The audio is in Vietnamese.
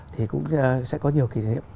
thì cũng sẽ có nhiều kỷ niệm